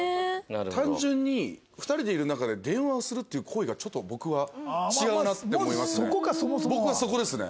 単純に２人でいる中で電話をするっていう行為がちょっと僕は違うなって思いますね。